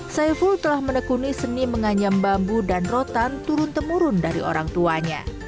saiful telah menekuni seni menganyam bambu dan rotan turun temurun dari orang tuanya